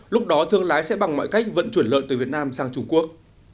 lúc đó thương lái sẽ bằng mọi cách vận chuyển lợn từ việt nam sang trung quốc